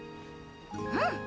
うん。